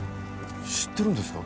知ってるんですか？